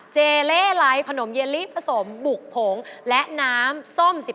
เล่ไร้ขนมเยลลี่ผสมบุกผงและน้ำส้ม๑๙